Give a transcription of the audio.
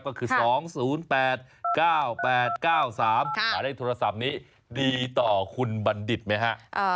ก็คือ๒๐๘๙๘๙๓หมายเลขโทรศัพท์นี้ดีต่อคุณบัณฑิตไหมฮะ